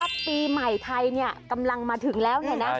ปีใหม่ไทยเนี่ยกำลังมาถึงแล้วเนี่ยนะ